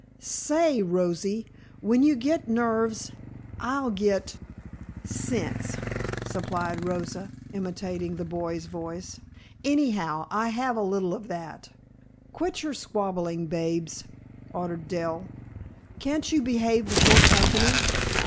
"Say, Rosie, when you get nerves I'll get " "Sense," supplied Rosa, imitating the boy's voice. "Anyhow I have a little of that " "Quit your squabbling, babes," ordered Dell. "Can't you behave before company?"